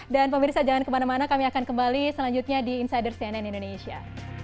dan pemirsa jangan kemana mana kami akan kembali selanjutnya di insider cnn indonesia